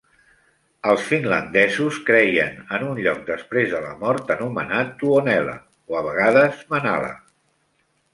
Els finlandesos creien en un lloc després de la mort anomenat Tuonela, o a vegades Manala.